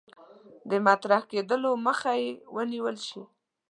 د مطرح کېدلو مخه یې ونیول شي.